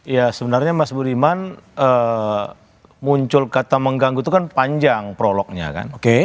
ya sebenarnya mas budiman muncul kata mengganggu itu kan panjang prolognya kan